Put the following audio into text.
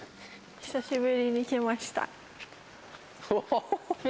久しぶりに来ました。